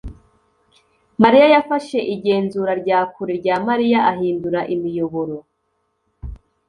mariya yafashe igenzura rya kure rya Mariya ahindura imiyoboro